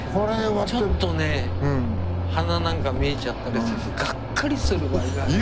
ちょっとね鼻なんか見えちゃったりするとがっかりする場合が。